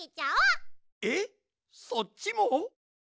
えっそっちも？